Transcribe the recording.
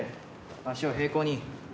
足を平行に。